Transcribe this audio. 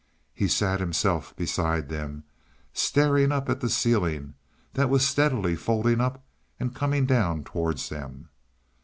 He sat himself beside them, staring up at the ceiling that was steadily folding up and coming down towards them.